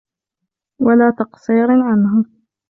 وَلَا تَقْصِيرٍ عَنْهَا